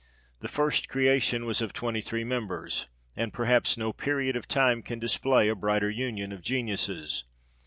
The first creation was of twenty three members : and perhaps no period of time can display a brighter union of geniuses.